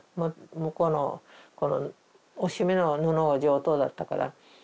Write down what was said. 向こうのおしめの布が上等だったから。